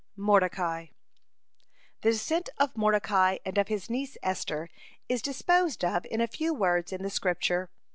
(55) MORDECAI The descent of Mordecai and of his niece Esther is disposed of in a few words in the Scripture.